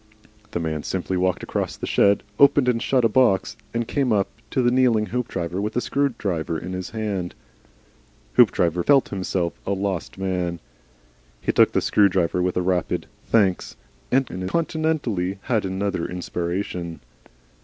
The man simply walked across the shed, opened and shut a box, and came up to the kneeling Hoopdriver with a screwdriver in his hand. Hoopdriver felt himself a lost man. He took the screwdriver with a tepid "Thanks," and incontinently had another inspiration.